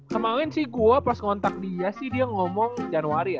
kemarin sih gue pas ngontak dia sih dia ngomong januari ya